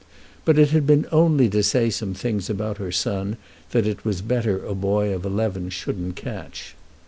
But it had been only to say some things about her son that it was better a boy of eleven shouldn't catch.